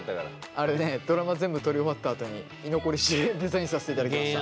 あれねドラマ全部撮り終わったあとに居残りしてデザインさせていただきました。